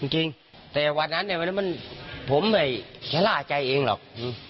จริงแต่วันนั้นผมไม่ชะล่าใจเองหรอก